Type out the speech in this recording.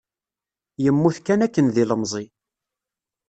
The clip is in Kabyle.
Yemmut kanakken d ilemẓi.